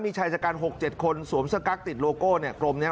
มีชายจัดการหกเจ็ดคนสวมเชื้อก๊ักติดโลโก้เนี่ย